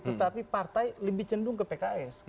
tetapi partai lebih cendung ke pks